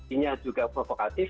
ininya juga provokatif